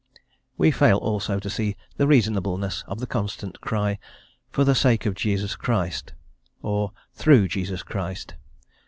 We fail also to see the reasonableness of the constant cry, "for the sake of Jesus Christ," or "through Jesus Christ."